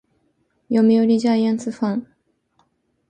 読売ジャイアンツファン